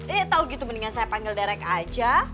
eh tahu gitu mendingan saya panggil derek aja